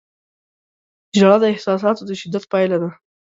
• ژړا د احساساتو د شدت پایله ده.